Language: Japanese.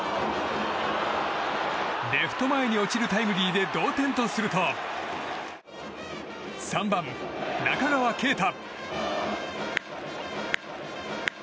レフト前に落ちるタイムリーで同点にすると３番、中川圭太。